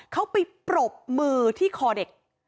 เขาไปปรบมือที่คอเด็ก